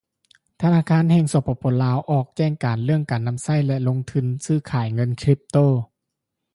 ທະນາຄານແຫ່ງ ສປປລາວ ອອກແຈ້ງການເລື່ອງການນໍາໃຊ້ ແລະ ລົງທຶນຊື້ຂາຍເງິນຄຣິບໂຕ